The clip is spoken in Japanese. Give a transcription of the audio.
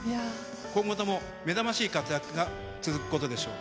今後ともめざましい活躍が続くことでしょう。